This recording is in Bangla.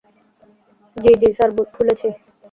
জ্বি, জ্বি স্যার, খুলেছি।